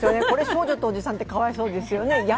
これ少女とおじさんって、かわいそうですよね。